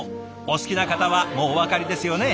お好きな方はもうお分かりですよね。